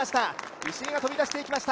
石井が飛び出していきました。